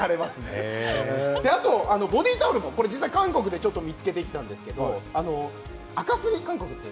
ボディータオルも実際、韓国で見つけてきたんですけどあかすり、韓国。